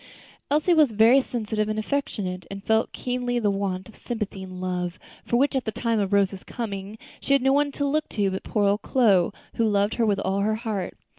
Elsie was very sensitive and affectionate, and felt keenly the want of sympathy and love, for which, at the time of Rose's coming, she had no one to look to but poor old Chloe, who loved her with all her heart.